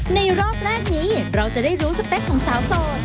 รอบแรกนี้เราจะได้รู้สเปคของสาวโสด